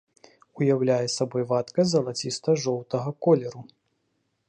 Уяўляе сабой вадкасць залаціста-жоўтага колеру.